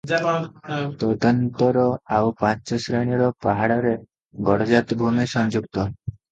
ତଦନନ୍ତର ଆଉ ପାଞ୍ଚ ଶ୍ରେଣୀର ପାହାଡ଼ରେ ଗଡ଼ଜାତ ଭୂମି ସଂଯୁକ୍ତ ।